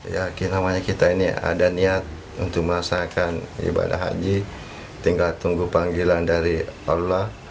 ya namanya kita ini ada niat untuk melaksanakan ibadah haji tinggal tunggu panggilan dari allah